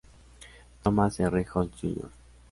Thomas R. Holtz Jr.